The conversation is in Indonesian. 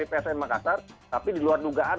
tapi di luar dugaan mereka di luar dugaan